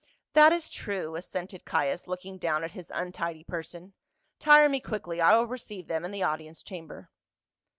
"That is true," assented Caius, looking do%\'n at his untidy person. " Tire me quickly. I \\ ill receive them in the audience chamber."